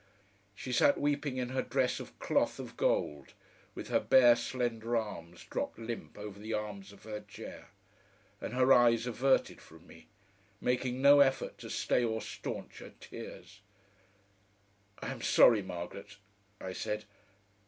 She sat weeping in her dress of cloth of gold, with her bare slender arms dropped limp over the arms of her chair, and her eyes averted from me, making no effort to stay or staunch her tears. "I am sorry, Margaret," I said.